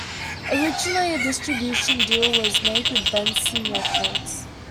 Originally a distribution deal was made with Benson Records.